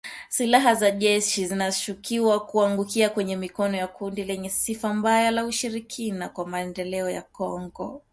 Silaha za jeshi zinashukiwa kuangukia kwenye mikono ya kundi lenye sifa mbaya la Ushirikiani kwa Maendeleo ya kongo